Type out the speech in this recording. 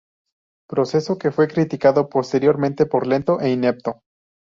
Proceso que fue criticado posteriormente por lento e inepto.